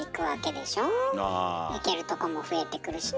行けるとこも増えてくるしね。